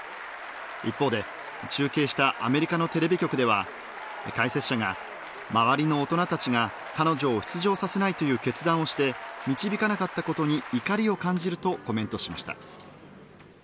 一方で中継したアメリカのテレビ局では解説者が、周りの大人たちが彼女を出場させないという決断をして導かなかったことに怒りを感じるとコメントしました。